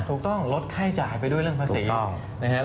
ถูกต้องลดค่าจ่ายไปด้วยเรื่องภาษีนะครับ